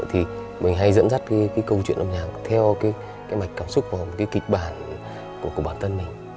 thì mình hay dẫn dắt cái câu chuyện âm nhạc theo cái mạch cảm xúc và một cái kịch bản của bản thân mình